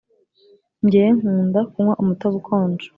jyewe nkunda kunywa umutobe ukonje